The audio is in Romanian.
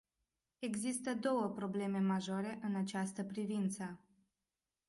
Există două probleme majore în această privință.